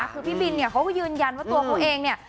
คือพี่บินเค้ายืนยันว่าตัวเค้าเองเนี่ย